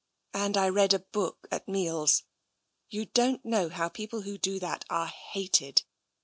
And I read a book at meals. You don't know how people who do that are hated.